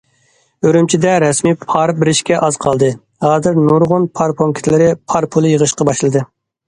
ئۈرۈمچىدە رەسمىي پار بېرىشكە ئاز قالدى، ھازىر نۇرغۇن پار پونكىتلىرى پار پۇلى يىغىشقا باشلىدى.